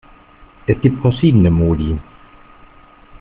Es gibt verschiedene Modi.